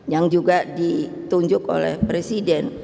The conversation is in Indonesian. yang juga ditunjuk oleh presiden